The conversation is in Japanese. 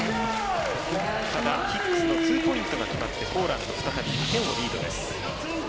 ただ、ヒックスのツーポイントが決まってポーランドリードです。